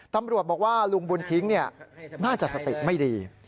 ตำรวจบอกว่าลุงบุญทิ้งน่าจะสติไม่ดี